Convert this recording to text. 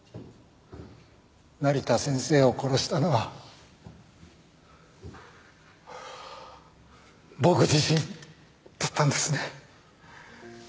成田先生を殺したのは僕自身だったんですね。